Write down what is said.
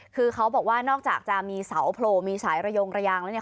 คือเขาบอกว่านอกจากจะมีเสาโผล่มีสายระยงระยางแล้วเนี่ย